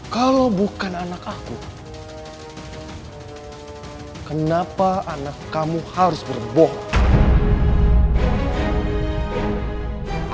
kalau bukan anak aku kenapa anak kamu harus berbohong